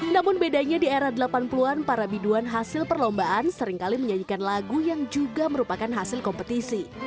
namun bedanya di era delapan puluh an para biduan hasil perlombaan seringkali menyanyikan lagu yang juga merupakan hasil kompetisi